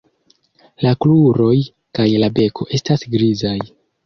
La kruroj kaj la beko estas grizaj.